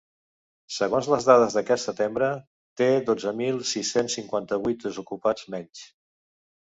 Segons les dades d’aquest setembre, té dotze mil sis-cents cinquanta-vuit desocupats menys.